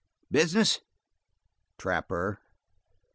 "Business?" "Trapper."